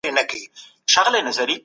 سم نیت غوسه نه راوړي.